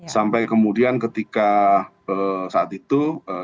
sampai kemudian ketika saat itu